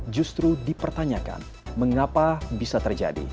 justru dipertanyakan mengapa bisa terjadi